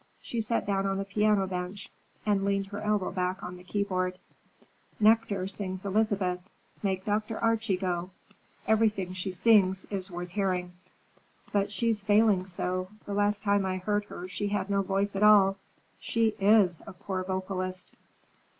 She sat down on the piano bench and leaned her elbow back on the keyboard. "Necker sings Elizabeth. Make Dr. Archie go. Everything she sings is worth hearing." "But she's failing so. The last time I heard her she had no voice at all. She is a poor vocalist!"